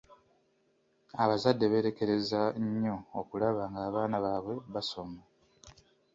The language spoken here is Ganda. Abazadde beerekereza nnyo okulaba ng'abaana baabwe basoma.